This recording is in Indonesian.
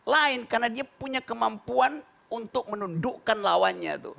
lain karena dia punya kemampuan untuk menundukkan lawannya